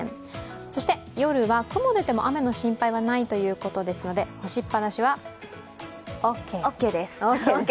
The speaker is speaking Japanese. そして夜は雲出ても雨の心配はないということですので干しっぱなしはオーケーです。